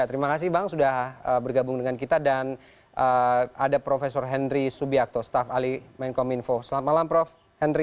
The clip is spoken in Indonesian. terima kasih bang sudah bergabung dengan kita dan ada prof henry subiakto staff ali menkom info selamat malam prof henry